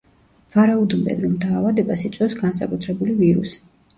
ვარაუდობენ, რომ დაავადებას იწვევს განსაკუთრებული ვირუსი.